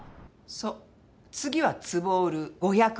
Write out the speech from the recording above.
そう次はつぼを売る５００万で。